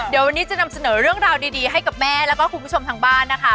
เดี๋ยววันนี้จะนำเสนอเรื่องราวดีให้กับแม่แล้วก็คุณผู้ชมทางบ้านนะคะ